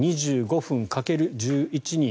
２５分掛ける１１人。